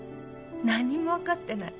何にもわかってない。